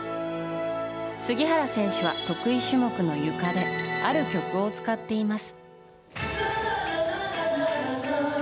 杉原選手は得意種目のゆかである曲を使っています。